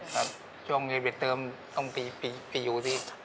ครับช่วงมีปิดเติมต้องไปอยู่สิ